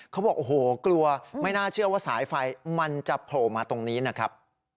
เขาบอกโอ้โหกลัวไม่น่าเชื่อว่าสายไฟมันจะโผล่มาตรงนี้นะครับ